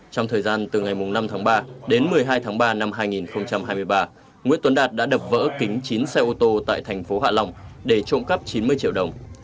trong thời gian từ ngày năm tháng ba đến một mươi hai tháng ba năm hai nghìn hai mươi ba nguyễn tuấn đạt đã đập vỡ kính chín xe ô tô tại thành phố hạ long để trộm cắp chín mươi triệu đồng